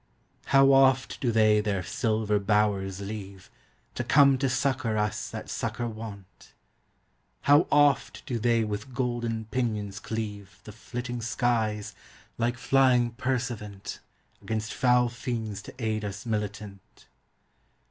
How oft do they their silver bowers leave, To come to succour us that succour want! How oft do they with golden pinions cleave The flitting skyes, like flying pursuivant, Against fowle feendes to ayd us militant!